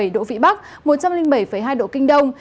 hai mươi một bảy độ vĩ bắc một trăm linh bảy hai độ kinh đông